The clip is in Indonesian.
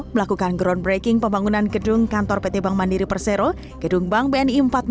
melakukan groundbreaking pembangunan gedung kantor pt bank mandiri persero gedung bank bni empat puluh enam